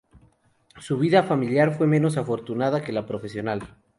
Su vida familiar fue menos afortunada que la profesional.